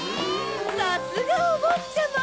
さすがおぼっちゃま。